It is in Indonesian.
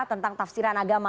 tentang tafsiran agama